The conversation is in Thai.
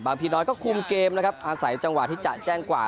พีน้อยก็คุมเกมนะครับอาศัยจังหวะที่จะแจ้งกว่า